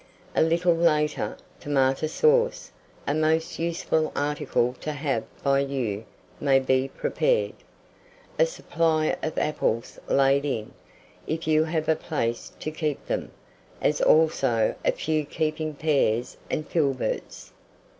A little later, tomato sauce, a most useful article to have by you, may be prepared; a supply of apples laid in, if you have a place to keep them, as also a few keeping pears and filberts.